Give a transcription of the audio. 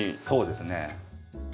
そうですね。